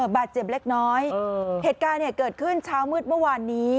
บาดเจ็บเล็กน้อยเหตุการณ์เนี่ยเกิดขึ้นเช้ามืดเมื่อวานนี้